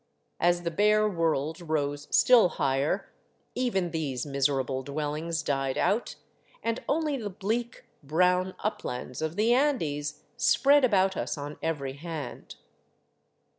As the bare world rose still higher, even these miserable dwellings died out, and only the bleak, brown uplands of the Andes spread about us on every hand.